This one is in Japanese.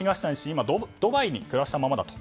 今、ドバイに暮らしたままだと。